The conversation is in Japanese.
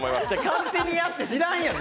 勝手にやって、知らんやん